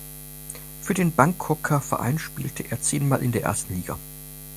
Für den Bangkoker Verein spielte er zehnmal in der ersten Liga.